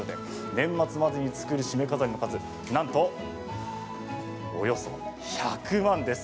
年末までに作る、しめ飾りの数なんと、およそ１００万です。